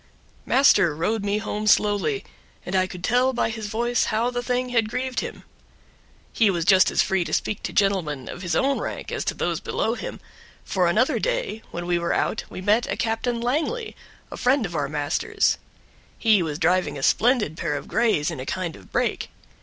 Master rode me home slowly, and I could tell by his voice how the thing had grieved him. He was just as free to speak to gentlemen of his own rank as to those below him; for another day, when we were out, we met a Captain Langley, a friend of our master's; he was driving a splendid pair of grays in a kind of break.